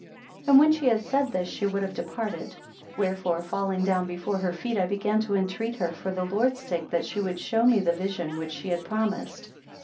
21 And when she had said this she would have departed. 22 Wherefore, falling down before her feet, I began to entreat her, for the Lord's sake, that she would show me the vision which she had promised.